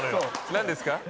何ですか？